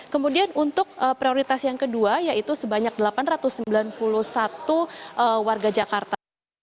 kemudian untuk prioritas yang kedua yaitu sebanyak delapan ratus sembilan puluh satu warga jakarta